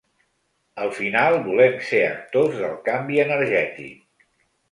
Al final, volem ser actors del canvi energètic.